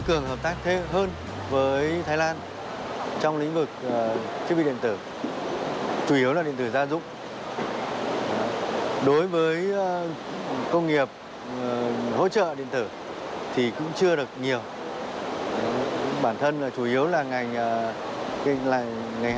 ก็จะได้กินอะไรอย่างง่ายอย่างนี้